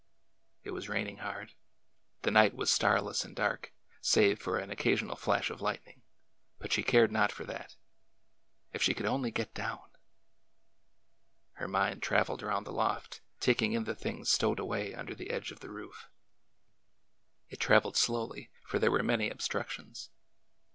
It was raining hard, the night was starless and dark, save for an occasional flash of lightning, but she cared not for that. If she could only get down! Her mind traveled around the loft, taking in the things stowed away under the edge of the roof. It traveled slowly, for there were many obstructions.